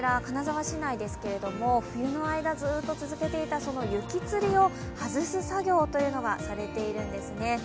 金沢市内ですけれども、冬の間ずっと続けていた雪つりを外す作業というのがされているんですね。